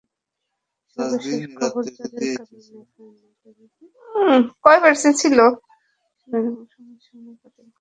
সর্বশেষ খবর, জ্বরের কারণেই ফাইনালের অনুশীলন এবং সংবাদ সম্মেলন বাতিল করেছেন।